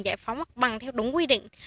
giải phóng mặt bằng theo đúng quy định